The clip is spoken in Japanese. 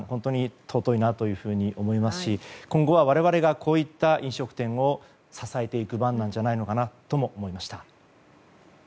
尊いなと思いますし今後はこういった飲食店を我々が支えていく番じゃないかなとも思いました。